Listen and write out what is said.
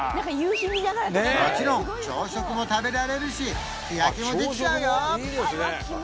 もちろん朝食も食べられるし日焼けもできちゃうよ